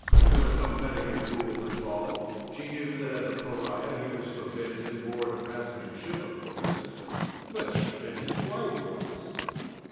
There was no Medical rule involved. She knew that as a pariah he was forbidden to board a passenger ship, of course. But she'd been his wife once!